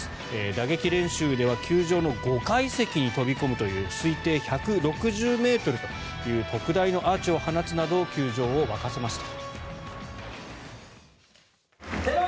打撃練習では球場の５階席に飛び込むという推定１６０ｍという特大のアーチを放つなど球場を沸かせました。